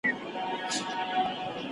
زه له سهاره ليکنې کوم،